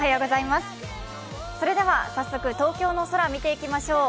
それでは早速東京の空を見てきましょう。